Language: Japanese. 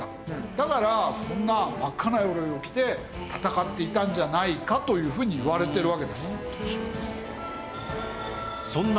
だからこんな真っ赤な鎧を着て戦っていたんじゃないかというふうにいわれているわけです。